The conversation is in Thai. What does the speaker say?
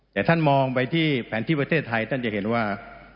แต่ท่านมองไปที่แผนที่ประเทศไทยท่านจะเห็นว่า